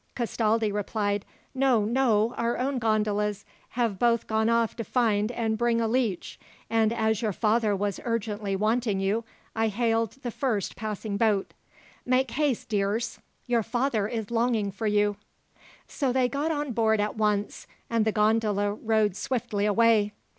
"Castaldi replied, 'No, no; our own gondolas had both gone off to find and bring a leech, and as your father was urgently wanting you, I hailed the first passing boat. Make haste, dears, your father is longing for you.' "So they got on board at once, and the gondola rowed swiftly away.